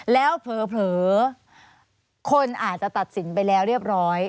แล้วเผลอคนอาจจะตัดสินไปแล้วเรียบร้อย